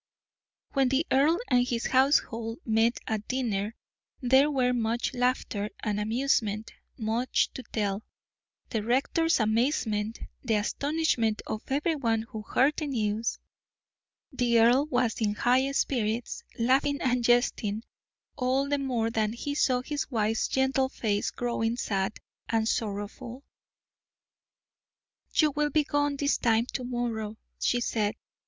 When the earl and his household met at dinner there were much laughter and amusement much to tell; the rector's amazement, the astonishment of every one who heard the news. The earl was in high spirits, laughing and jesting all the more that he saw his wife's gentle face growing sad and sorrowful. "You will be gone this time to morrow," she said.